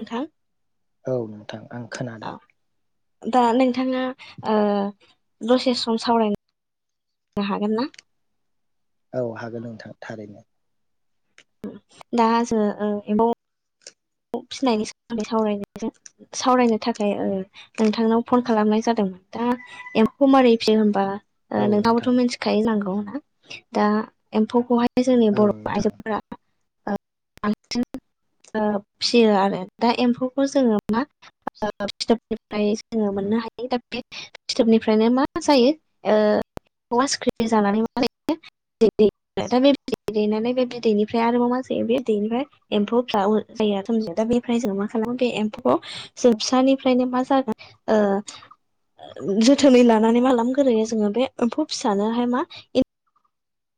नोंथां औ नोंथां आं खोनादों औ दा नोंथाङा ओ दसे सम सावरायनो हागोन ना? औ हागोन नोंथां थारैनो दा जो ओ एबौ फिनायनि सोमोन्दै सावरायनो जों सावरायनो थाखाय ओ नोंथांनाव फन खालामनाय जादों दा एमफौखौ मारै फियो होमबा ओ औ नोंथाङाबोथ' नोंथां मिनथिखायो जानागौ दा एमफौखौहाय जोंनि औ बर' नोंथां आइजोफोरा ओ बांसिन ओ फियो आरो दा एमफौखौ जोङो मा ओ फिथोबनिफ्राय जोङो मोननो हायो दा बे फिथोबनिफ्रायनो मा जायो ओ एमफौआ सिख्रि जानानै मा जायो बिदै दैयो दा बे बिदै दैनानै बे बिदैनिफ्राय आरोबाव मा जायो बे बिदैनिफ्राय एमफौ फ्राबो जायोथजो दा बेनिफ्राय जों मा खालामो बे एमफौआव जों फिसानिफ्रायनो मा जागोन जोथोनै लानानै माला गोरोयो जोङो बे एमफौ फिसानोहाय मा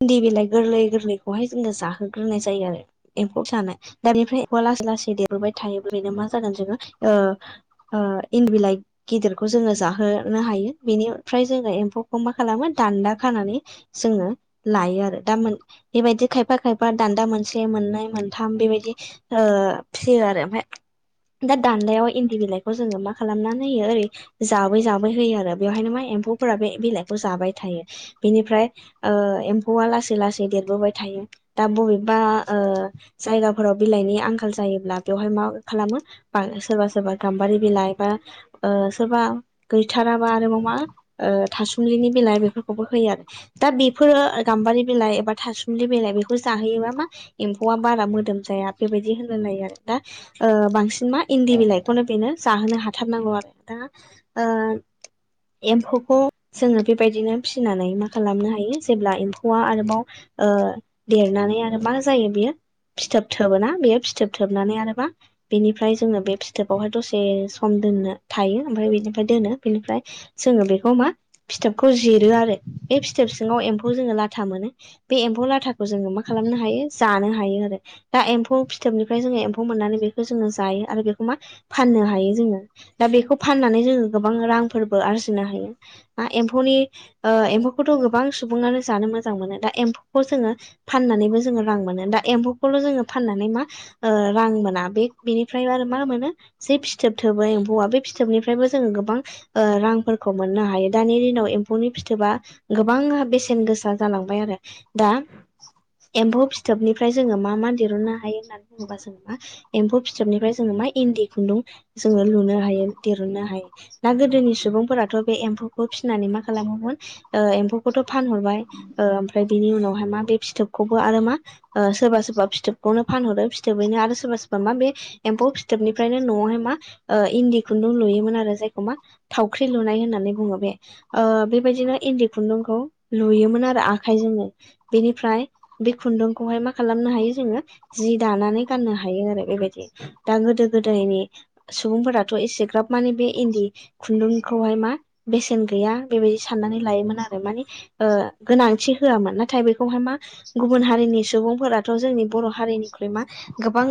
इनदि बिलाइ गोरलै गोरलैखौहाय जोङो जाहोग्रोनाय जायो आरो एमफौ जानाय दा बेफ्राय लासै लासै देरबोबाय थायो बेनो मा जागोन जोङो ओ ओ इनदि बिलाइ गिदिरखौ जोङो जाहोनो हायो बेनिफ्राय जोङो एमफौखौ मा खालामो दान्दा खानानै जोङो लायो आरो दा मोन बेबायदि खायफा खायफा दान्दा मोनसे मोननै मोनथाम बेबायदि ओ ओ फियो आरो ओमफाय दा दान्दायाव इन्दि बिलाइखौ जोङो मा खालामनानै होयो ओरै जाबै जाबै होयो आरो बेवहायनो मा एम्फौफोरा बे बिलाइखौ जाबाय थायो बेनिफ्राय एम्फौ लासै लासै देरबोबाय थायो दा बबेबा जायगाफोराव बिलाइनि आंखाल जायोब्ला बेवहाय मा खालामो सोरबा सोरबा गाम्बारि बिलाइ बा सोरबा गैथाराबा आरोबाव मा थासुमलिनि बिलाइ बेफोरखौबो होयो आरो दा बेफोरो गाम्बारि बिलाइ एबा थासुमलि बिलाइ बेखौ जाहोयोबा मा एम्फौआ बारा मोदोम जाया बेबायदि होन आरो दा बांसिन मा इन्दि औ नोंथां बिलाइखौनो बेनो जाहोनो हाथारनांगौ आरो दा एम्फौखौ जोङो बेबायदिनो फिसिनानै मा खालामनो हायो जेब्ला एम्फौआ आरोबाव देरनानै आरो मा जायो बेयो फिथोब थोबोना बेयो फिथोब थोबनानै आरोबा बेनिफ्राय जोङो बे फिथोबावहाय दसे सम दोननो थायो ओमफ्राय बेनिफ्राय दोनो बेनिफ्राय जोङो बेखौ मा फिथोबखौ जिरो आरो बे फिथोब सिङाव एम फौ लाथा मोनो बे एम्फौ लाथाखौ जोङो मा खालामनो हायो जानो हायो आरो दा एम्फौ फिथ थोबनिफ्राय जोङो एम्फौ मोननानै बेखौ जोङो जायो आरो बेखौ मा फाननो हायो जोङो दा बेखौ फाननानै बां रांफोरबो आरजिनो हायो एमफौनि एमफौखौथ' गोबां सुबुङानो जानो मोजां मोनो दा एम्फौखौ जोङो फाननानैबो जोङो रां मोनो दा एम्फौखौल' जोङो फाननानै बेनिफ्राय मा ओ रां मोना बेनिफ्राय आरो मा मोनो जे फिथोब थोबो एम हौवा बे फिथोबनिफ्रायबो जोङो गोबां रांफोरखौ मोननो हायो दानि दिनाव एम्फौनि फिथोबा गोबां बेसेन गोसा जालांबाय आरो दा एम्फौ फिथोबनिफ्राय जोङो मा मा दिरुननो हायो होननानै बुङोबा जोङो मा एम्फौ फिथोबनिफ्राय जोङो म इन्दि खुन्दुं जोङो लुनो हायो दुननो हायो ना गोदोनि सुबुंफोराथ' बे एम्फौ खौ फिनानै मा खालामोमोन एम्फौखौथ' फानहरबाय ओमफ्राय बिनि उनावहाय मा बे फिथोबखौबो आरो मा सोरबा सोरबा फिथोबखौनो फानहरो फिथोबैनो आरो सोरबा सोरबा मा बे एम्फौ फिथोबनिफ्रायनो न'आवहाय मा इन्दि खुन्दुं लुयो नुयोमोन आरो जायखौ मा थावख्रि लुनाय होननानै बुङो बे बेबायदिनो इन्दि खुन्दुंखौ लुयोमोन आरो आखाइजोंनो बेनिफ्राय बे खुन्दुंखौहाय मा खालामनो हायो जोङो जि दानानै गाननो हायो आरो बेबायदि दा गोदो गोदायनि सुबुंफोराथ' एसेग्राब माने बे इन्दि खुन्दुंखौहाय मा बेसेन गैया बेबायदि साननानै लायोमोन आरो माने गोनांथि होआमोन नाथाय बेखौहाय मा गुबुन हारिनि सुबुंफोराथ' जोंनि बर' हारिनिख्रुइ मा गोबां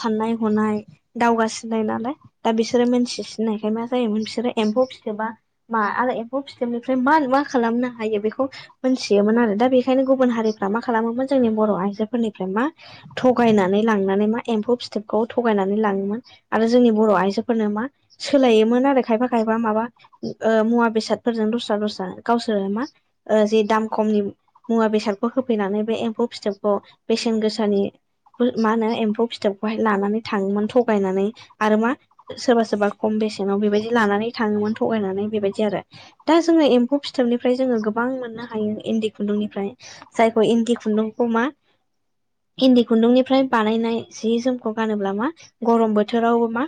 साननाय हनाय दावगासिनाय नालाय दा बिसोरो मोनथिसिननायखाय मा जायोमोन बिसोरो एम्फौ फोबा मा आरो एम्फौ फिथोबनिफ्राय मा मा खालामनो हायो बेखौ मोनथियोमोन आरो दा बेखायनो गुबुन हारिफ्रा मा खालामोमोन जोंनि बर' आइजोफोरनिफ्राय मा थग थगायनानै लांनानै मा एम्फौ फिथोबखौ थगायनानै लाङोमोन आरो जोंनि बर' आइजो फोरनो मा सोलायोमोन आरो खायफा खायफा माबा मुवा बेसादफोरजों दस्रा दस्रा गावसोर मा जि दाम खमनि मुवा बेसादखौ होफैनानै बे एम्फौ फिथोबखौ बेसेन गोसानि मा होनो एम्फौ फिथोबखौहाय लानानै थाङोमोन थगायनानै आरो मा सोरबा सोरबा खम बेसेनाव बेबायदि लानानै थाङोमोन थगायनानै बेबायदि आरो दा जोङो एम्फौ फिथोबनिफ्राय जोङो गोबां मोननो हायो इन्दि खुन्दुंनिफ्राय जायखौ इन्दि खुन्दुंखौ मा इन्दि खुन्दुंनिफ्राय बानायनाय जि जोमखौ गानोब्ला मा गरम बोथोराव मा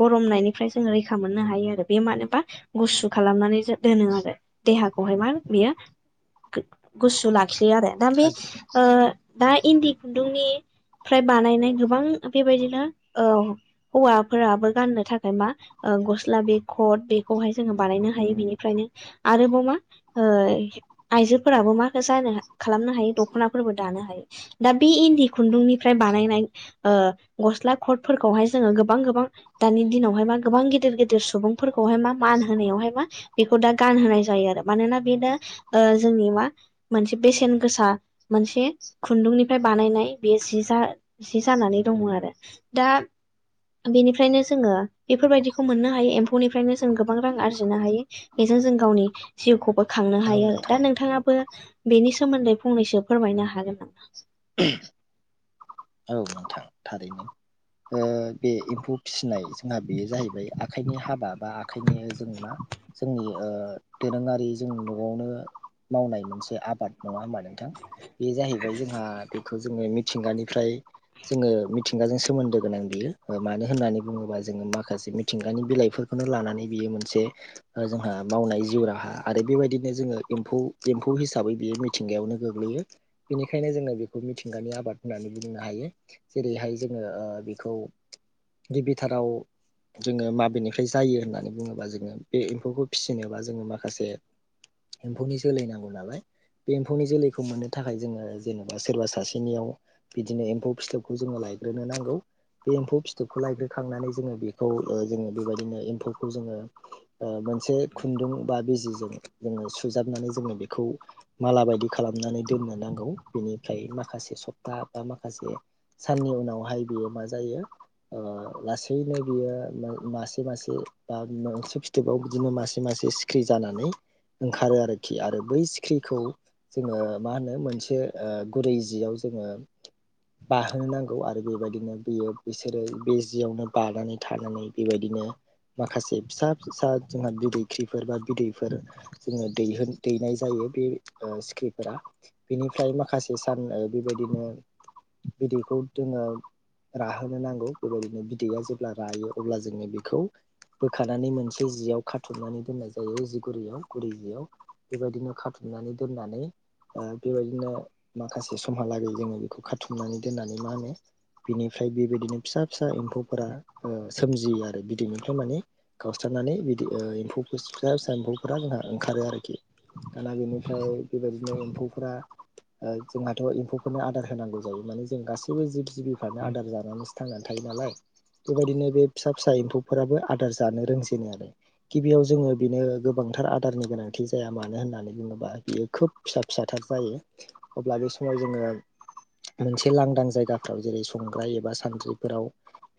गरमनायनिफ्राय जों रैखा मोननो हायो आरो बे मानोबा गुसु खालामनानै दोनो आरो देहाखौहाय मा बेयो गुसु लाखियो आरो दा बे दा इन्दि खुन्दुंनिफ्राय बानायनाय गोबां बेबायदिनो औ हौवाफोराबो गाननो थाखाय मा गस्ला बे खट बेखौहाय जोङो बानायनो हायो बिनिफ्रायनो आरो बाव मा आइजोफोराबो मा जानो खालामनो हायो दख'नाफोरबो दानो हायो दा बे इनदि खुन्दुंनिफ्राय बानायनाय गस्ला खटफोरखौहाय जोङो गोबां गोबां दानि दिनाव बां गिदिर गिदिर सुबुंफोरखौहाय मा मानहोनायावहाय मा बेखौ गानहोनाय जायो आरो मानोना बेनो जोंनि मा मोनसे बेसेन गोसा मोनसे खुन्दुंनिफ्राय बानायनाय बे जि जा जि जानानै दङ आरो दा बेनिफ्रायनो जोङो बेफोरबायदिखौ मोननो हायो एम्फौनिफ्रायनो जों गोबां रां आरजिनो हायो जों गावनि जिउखौबो खांनो औ हायो आरो दा नोंथां नोंथाङाबो बेनि सोमोन्दै फंनैसो फोरमायनो हागोन नामा औ नोंथां थारैनो बे एम्फौ फिसिनाय जोंहा बेयो जाहैबाय आखाइनि हाबा बा आखाइनि जेनेबा जोंनि दोरोङारि जोंनि न'आवनो मावनाय मोनसे आबाद नङा होमबा नोंथां बे जाहैबाय जोंहा दैखौ जोङो मिथिंगानिफ्राय जोङो मिथिंगाजों सोमोन्दो गोनां बियो मानो होननानै बुङोबा जोङो माखासे मिथिंगानि बिलाइ खौनो लानानै बियो मोनसे जोंहा मावनाय जिउ राहा आरो बेबायदिनो जोंङो एमफौ हिसाबै बियो मिथिंगायावनो गोग्लैयो बेनिखायनो जोङो बेखौ बेखौ मिथिंगानि आबाद होननानै बुंनो हायो जेरैहाय जोङो बेखौ गिबिथाराव जोङो माबेनिफ्राय जायो होननानै बुङोबा जोङो बे एम्फौखौ फिसिनो बा जोङो माखासे एम्फौनि जोलै नांगौ नालाय बे एम्फौनि जोलैखौ मोननो थाखाय जोङो जेनेबा बा सोरबा सासेनियाव बिदिनो एम्फौ फिथोबखौ जोङो लायग्रोनो नांगौ बे एम्फौ फिथोबखौ लायग्रोखांनानै जोङो बेखौ जोङो बेबायदिनो एम्फौखौ जोङो मोनसे खुन्दुं बा बिजिजों जोङो सुजाबनानै जोङो बेखौ माला बायदि खालामनानै दोननो नांगौ बेनिफ्राय माखासे सप्ता बा माखासे साननि उनावहाय बेयो मा जायो लासैनो बियो मासे मासे बा मोनसे फिथोबाव बिदिनो मासे मासे सिख्रि जानानै ओंखारो आरोखि आरो बै सिख्रिखौ जोङो मा होनो मोनसे गुरैजियाव जोङो बाहोनो नांगौ आरो बेबायदिनो बियो बिसोरो बे जियावनो बानानै थानानै बेबायदिनो माखासे फिसा फिसा जोंहा बिदैख्रिफोर बा बिदैफोर जोङो दैहो दैनाय जायो बे सिखिरिफोरा बेनिफ्राय माखासे सान बेबायदिनो बिदैखौ जोङो राहोनो नांगौ बेबायदिनो बिदैया जेब्ला रायो अब्ला जोङो बेखौ बोखानानै मोनसे जियाव खाथुमनानै दोननाय जायो जिगुरैयाव गुरै जियाव बेबायदिनो खाथुम नानै दोननानै बेबायदि बिदिनो माखासे समहालागै जोङो बेखौ खाथुमनानै दोननानै मा होनो बिनिफ्राय बेबायदिनो फिसा फिसा एम्फौफोरा सोमजियो आरो बिदैनिफ्राय माने गावस्रानो बिदि फिसा फिसा एम्फौफोरा जोंहा ओंखारो आरोखि दाना बेनिफ्राय बे बिदिनो एम्फौफ्रा जोंहाथ' एम्फौफोरनो आदार होनांगौ जायो माने जों गासैबो जिब जिबिफ्रानो आदार जानानै थांनानै थायो नालाय बेबायदिनो बे फिसा फिसा एम्फौफोराबो आदार जानो रोंजेनो आरो गिबियाव जोङो बेनो गोबांथार आदारनि गोनांथि जाया मानो होननानै बुङोबा बियो खोब फिसा फिसा थार जायो अब्ला बे समाव जोङो मोनसे लांदां जायगाफोराव जेरै संग्राय एबा सानद्रिफोराव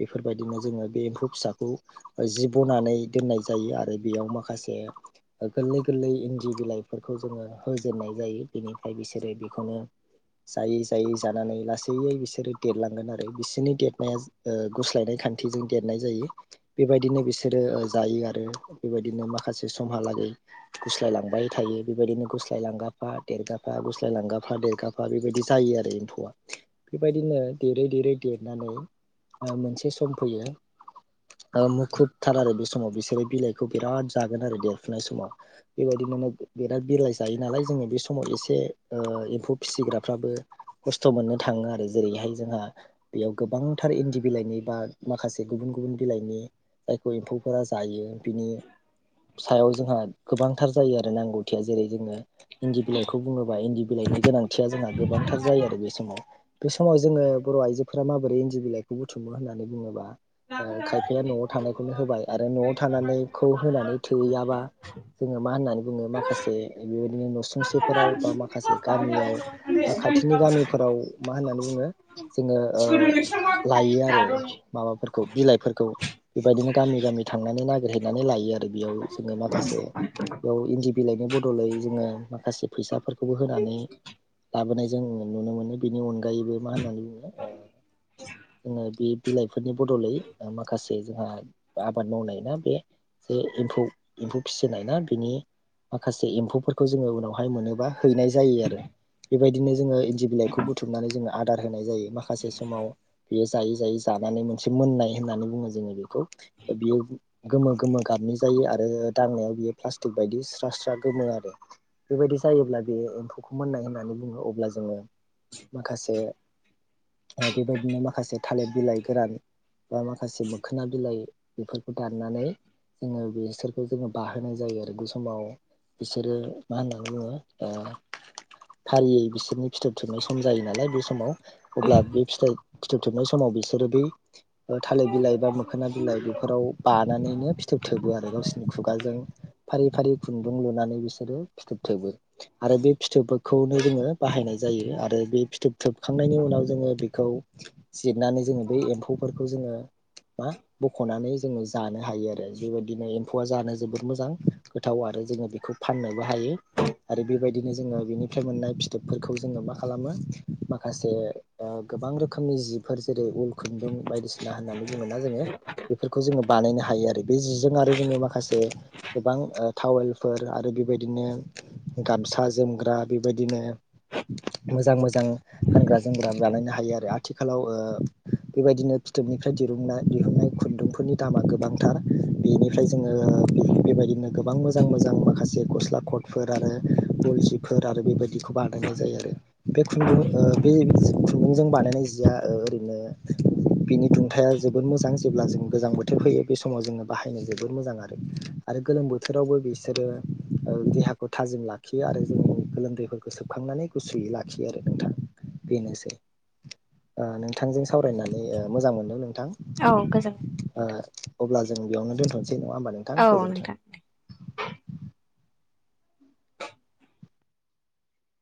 बेफोरबायदिनो जोङो बे एम्फौ फिसाखौ जि बनानै दोननाय जायो आरो बेयाव माखासे गोरलै गोरलै इन्दि बिलाइफोरखौ जोङो होजेननाय जायो बेनिफ्राय बिसोरो बेखौनो जायै जायै जानानै लासै बिसोरो देरलांगोन आरो बिसोरनि देरनाया ओ गुस्लायनाय खान्थिजों देरनाय जायो बेबायदिनो बिसोरो जायो आरो बेबायदिनो माखासे समहा लागै गुस्लाय लांबाय थायो बेबायदिनो गुस्लाय लांगाफा देरगाफा गुस्ल लांगाफा देरगाफा बेबायदि जायो आरो एम्फौआ बेबायदिनो देरै देरै देरनानै ओ मोनसे सम फैयो औ‌ मुखुबथार आरो बे समाव बिसोरो बिलाइखौ बिराद जागोन आरो देरफुनाय समाव बेबायदि मोनो बिराद बिलाइ जायो नालाय जोङो बे समाव एसे ओ एमफौ फिसिग्राफ्राबो खसथ' मोननो थाङो आरो जेरैहाय जोंहा बेयाव गोबां थार इनदि बिलाइनि बा माखासे गुबुन गुबुन बिलाइनि जायखौ एमफौफोरा जायो बिनि सायाव जोंहा गोबांथार जायो आरो नांगौथिया जेरै जोङो इनदि बिलाइखौ बुङो बा इनदि बिलाइनि गोनांथिया जोंहा गोबांथार जायो आरो बे समाव बे समाव जोङो बर' आइजोफोरा माबोरै इनदि बिलाइखौ बुथुमो होननानै बुङोब्ला ओ खायफाया न'आव थानायखौनो होबाय आरो न'आव थानानैखौ होनानै थोहैयाबा जोङो मा होननानै बुङो माखासे बेबायदिनो नसुंसेफोराव बा माखासे गामियाव बा खाथिनि गामिफोराव मा होननानै बुङो जोङो ओ लायो आरो माबाफोर खौ बिलाइफोरखौ बेबायदिनो गामि गामि थांनानै नागिरहैनानै लायो आरो बेयाव जोङो माखासे बेयाव इनदि बिलाइनि बदलै जोङो माखासे फैसा फोरखौबो होनानै लाबोनाय जों नुनो मोनो बेनि अनगायैबो मा होननानै बुङो ओ जोङो बे बिलाइफोरनि बद'लै माखासे जोंहा आबाद मावनाय ना बे जे एमफौ एमफौ फिसिनाय ना बिनि माखासे एमफौफोरखौ जोङो उनावहाय मोनोबा हैनाय जायो आरो बेबायदिनो जोङो इनदि बिलाइखौ बुथुमनानै जोङो आदार होनाय जायो माखासे समाव बियो जायै जायै जा लाननै मोननाय होननानै बुङो जोङो बे बियो गोमो गोमो गाबनाय जायो आरो दांनायाव बे प्लासटिक बादि स्रा स्रा गोमो आरो बेबायदि जायोब्ला बे एमफौखौ मोननाय होननानै बुङो अब्ला जोङो माखासे ओ बेबायदिनो माखासे थालिर बिलाइ गोरान बा माखासे मोखोना बिलाइ बेफोरखौ दाननानै जोङो बेसोरखौ जोङो बाहोनाय जायो आरो बे समाव बिसोरो मा होनना बुङो ओ फारियै बिसोरनि फिथोब थोबनाय सम जायो नालाय बे समाव अब्ला बे फिथाइ फिथोब थोबनाय समाव बिसोरो बै ओ थालिर बिलाइ बा मोखोना बिलाइ बेफोराव बानानैनो फिथोब थोबो आरो गावसिनि खुगाजों फारि फारि खुनदुं लुनानै बिसोरो फिथोब थोबो आरो बे फिथोबफोरखौनो जोङो बाहायनाय जा जायो आरो बे फिथोब थोबखांनायनि उनाव जोङो बेखौ जिरनानै जोङो बे एमफौफोरखौ जों यो मा बख'नानै जोङो जानो हायो आरो बेबायदिनो एमफौआ जानो जोबोद मोजां गोथाव आरो फाय जोङो बेखौ फाननोबो हायो आरो बेबायदिनो जोङो बेनिफ्राय मोननाय फिथोबफोरखौ जोङो मा खालामो माखासे ओ गोब बां रोखोमनि जिफोर जेरै उल खुनदुं बायदिसिना होननानै बुङोना जोङो बेफोरखौ जोङो बानायनो हायो आरो बे जिजों आरो जोङो माखासे गोबां टावेलफोर आरो बेबायदिनो गामसा जोमग्रा बेबायदिनो मोजां मोजां गानग्रा जोमग्रा बानायायनो हायो आरो आथिखालाव ओ बेबायदिनो फिथोबनिफ्राय दिरुंनाय दिहुननाय खुनदुंफोरनि दामा गोबांथार बेनिफ्राय जोङो बेबायदि दिनो गोबां मोजां मोजां माखासे गस्ला ख'थ फोर आरो उलसिफोर आरो बेबायदिखौ बानायनाय जायो आरो बे खुनदुं ओ बे खुन्दुंजों बानायनाय जिया ओ ओरैनो बिनि दुंथाया जोबोद मोजां जेब्ला जों गोजां बोथोर फैयो बे समाव जोङो बाहायनो जोबोर मोजां आरो आरो गोलोम बोथोरावबो बिसोरो ओ देहा खौ थाजिम लाखियो आरो जोंनि गोलोमदैफोरखौ सोबखांनानै गुसुयै लाखियो आरो नोंथां बेनोसै ओ नोंथांजों सावरायनानै ओ मोजां मोनदों नोंथां औ गोजोन ओ अब्ला जों बेयावनो दोनथ' सै नङा होमबा नोंथां औ गोजोनथों नोंथां